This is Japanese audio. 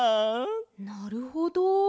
なるほど。